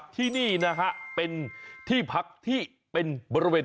ที่นี่นะฮะเป็นที่พักที่เป็นบริเวณ